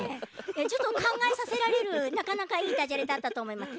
ちょっとかんがえさせられるなかなかいいダジャレだったとおもいます。